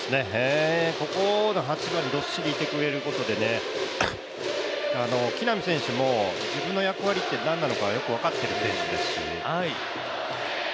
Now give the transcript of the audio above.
ここの８番どっしりいてくれることで木浪選手も自分の役割って何なのかよく分かってる選手ですし。